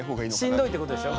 しんどいってことでしょ？